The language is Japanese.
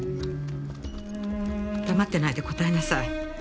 黙ってないで答えなさい。